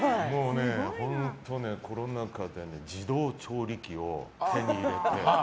コロナ禍で自動調理機を手に入れて。